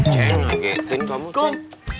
ceng agetin kamu ceng